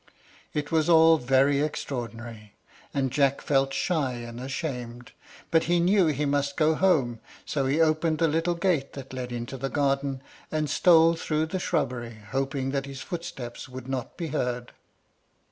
It was all very extraordinary, and Jack felt shy and ashamed; but he knew he must go home, so he opened the little gate that led into the garden, and stole through the shrubbery, hoping that his footsteps would not be heard.